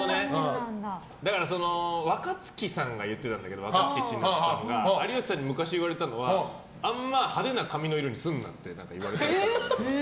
だから若槻千夏さんが言ってたんだけど有吉さんに昔、言われたのはあんま、派手の髪の色にするなって言われたらしくて。